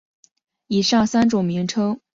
以上三种名称同时被官方网站使用。